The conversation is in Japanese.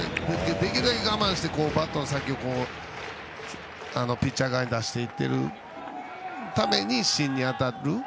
できるだけ我慢してバットの先をピッチャー側に出していってるがために芯に当たる。